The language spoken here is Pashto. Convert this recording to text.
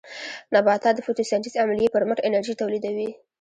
نباتات د فوټوسنټیز عملیې پر مټ انرژي تولیدوي